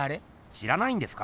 知らないんですか？